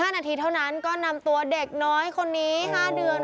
๕นาทีเท่านั้นก็นำตัวเด็กน้อยคนนี้๕เดือน